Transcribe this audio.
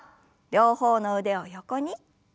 両方の腕を横に。